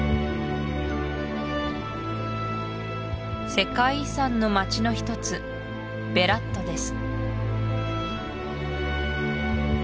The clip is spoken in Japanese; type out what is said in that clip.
世界遺産の町の一つベラットです